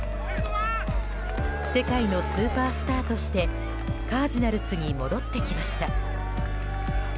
世界のスーパースターとしてカージナルスに戻ってきました。